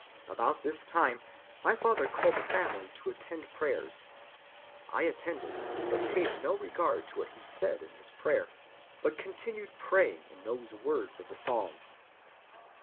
About this time my father called the family to attend prayers; I attended, but paid no regard to what he said in his prayer, but continued praying in those words of the Psalm.